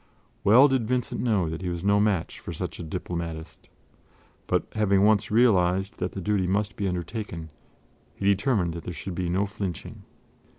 Well did Vincent know that he was no match for such a diplomatist; but having once realized that the duty must be undertaken, he determined that there should be no flinching.